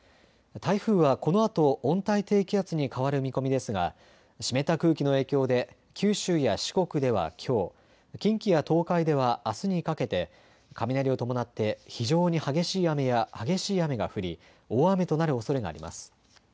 台風はこのあと、温帯低気圧に変わる見込みですが、湿った空気の影響で、九州や四国ではきょう、近畿や東海ではあすにかけて、雷を伴って、非常に激しい雨や、激しい雨が降り、大雨となるおそれがあります。